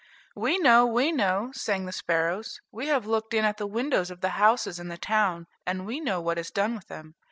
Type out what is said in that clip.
"We know, we know," sang the sparrows; "we have looked in at the windows of the houses in the town, and we know what is done with them.